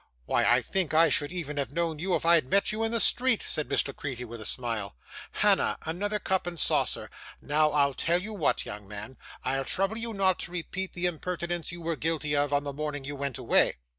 'Why, I think I should even have known you if I had met you in the street,' said Miss La Creevy, with a smile. 'Hannah, another cup and saucer. Now, I'll tell you what, young man; I'll trouble you not to repeat the impertinence you were guilty of, on the morning you went away.